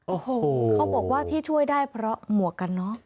โอ้โหเขาบอกว่าที่ช่วยได้เพราะหมวกกันน็อก